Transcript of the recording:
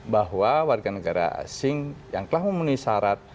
bahwa warga negara asing yang telah memenuhi syarat